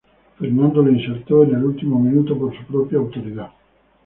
Fernando lo insertó en el último minuto, por su propia autoridad.